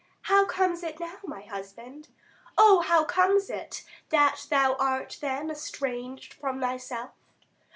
How comes it now, my husband, O, how comes it, That thou art then estranged from thyself?